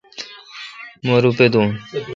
مہ روپہ دوں۔